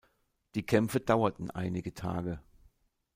Die Kämpfe dauerten einige Tage.